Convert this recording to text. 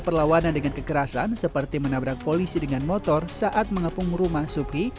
perlawanan dengan kekerasan seperti menabrak polisi dengan motor saat mengepung rumah suki